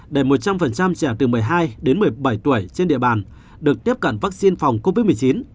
để một trăm linh trẻ từ một mươi hai đến một mươi bảy tuổi trên địa bàn được tiếp cận vaccine phòng covid một mươi chín